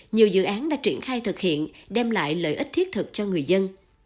nhiều dự án đã triển khai thực hiện đem lại lợi ích thiết thực cho người dân